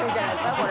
これ。